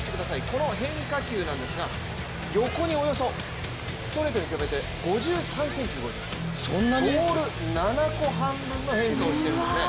この変化球なんですが、横におよそストレートに比べて５３ｃｍ動いている、ボール７個半分の変化をしているんですね。